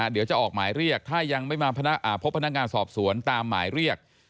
เดี๋ยวจะออกหมายเรียกถ้ายังไม่มาพบพนักงานสอบสวนตามหมายเรียก